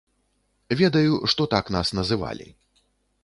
Ведаю, што так нас называлі.